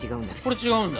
これ違うんだ。